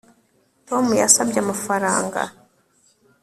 Tom yasabye amafaranga